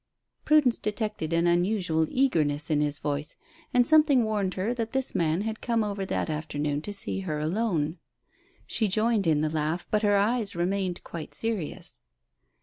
Prudence detected an unusual eagerness in his voice, and something warned her that this man had come over that afternoon to see her alone. She joined in the laugh, but her eyes remained quite serious.